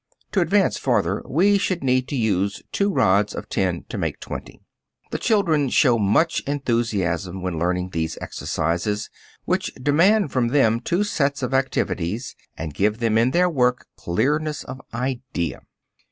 To advance farther we should need to use two rods of 10 to make 20. The children show much enthusiasm when learning these exercises, which demand from them two sets of activities, and give them in their work clearness of idea.